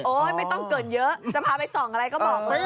ไม่ต้องเกินเยอะจะพาไปส่องอะไรก็บอกมา